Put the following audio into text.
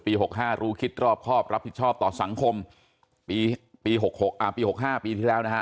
๖๕รู้คิดรอบครอบรับผิดชอบต่อสังคมปี๖ปี๖๕ปีที่แล้วนะฮะ